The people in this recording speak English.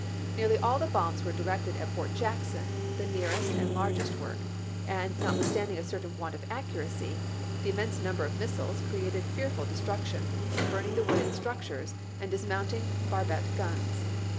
Nearly all the bombs were directed at Fort Jackson, the nearest and largest work ; and, notwithstanding a certain want of accm*acy, the immense number of missiles created fearful destruction, burning the wooden structures and dismounting barbette guns.